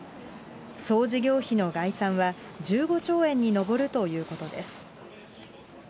総事業費の概算は、１５兆円に上るということです。